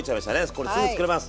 これすぐ作れます。